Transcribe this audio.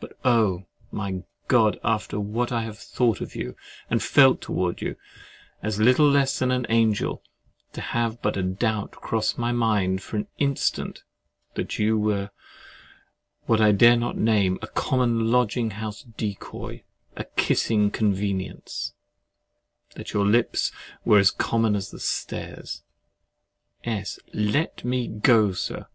But, oh! my God! after what I have thought of you and felt towards you, as little less than an angel, to have but a doubt cross my mind for an instant that you were what I dare not name—a common lodging house decoy, a kissing convenience, that your lips were as common as the stairs— S. Let me go, Sir!